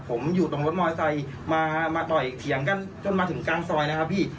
ผมอยู่ตรงมอสไซค์ที่ผมจอดมอสไซค์กันตรงกลางซอยใช่ไหม